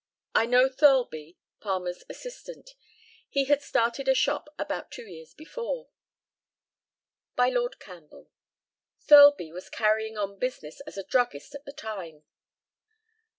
I know Thirlby, Palmer's assistant. He had started a shop about two years before. By Lord CAMPBELL: Thirlby was carrying on business as a druggist at the time.